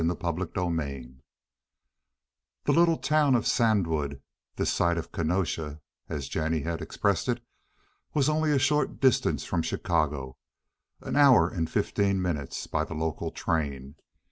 CHAPTER LIV The little town of Sandwood, "this side of Kenosha," as Jennie had expressed it, was only a short distance from Chicago, an hour and fifteen minutes by the local train.